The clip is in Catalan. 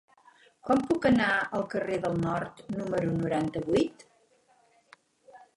Com puc anar al carrer del Nord número noranta-vuit?